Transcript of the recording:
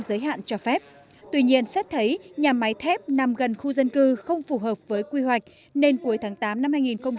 giới hạn cho phép tuy nhiên xét thấy nhà máy thép nằm gần khu dân cư không phù hợp với quy hoạch nên cuối tháng tám năm hai nghìn hai mươi